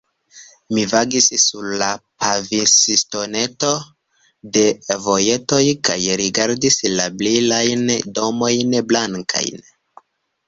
Mi vagis sur la pavimŝtonetoj de vojetoj kaj rigardis la brilajn domojn blankajn.